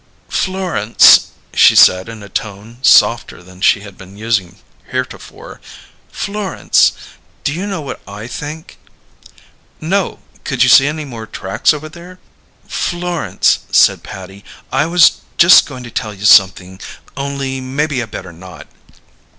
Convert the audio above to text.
"Florence," she said, in a tone softer than she had been using heretofore; "Florence, do you know what I think?" "No. Could you see any more tracks over there?" "Florence," said Patty; "I was just going to tell you something, only maybe I better not."